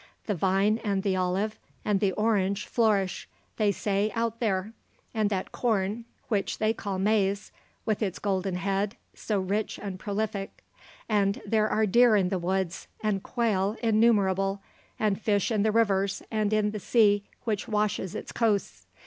The vine and the olive, and the orange flourish, they say, out there; and that corn which they call maize, with its golden head, so rich and prolific; and there are deer in the woods, and quail innumerable, and fish in the rivers and in the sea which washes its coasts.